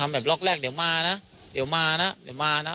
แบบล็อกแรกเดี๋ยวมานะเดี๋ยวมานะเดี๋ยวมานะ